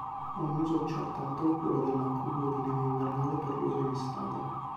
Un uso accertato quello dell'accumulo di neve invernale per l'uso in estate.